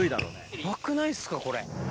やばくないっすか？これ。